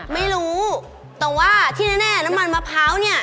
ไม่รู้แต่ว่าที่แน่น้ำมันมะพร้าวเนี่ย